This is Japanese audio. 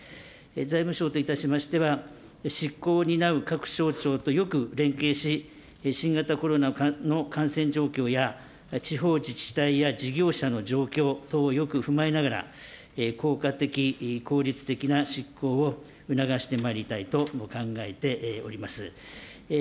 財務省といたしましては、執行を担う各省庁とよく連携し、新型コロナの感染状況や地方自治体や事業者の状況等をよく踏まえながら、効果的、効率的な執行を促してまいりたいと考えております。